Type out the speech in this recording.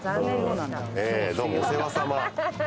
どうもお世話さま。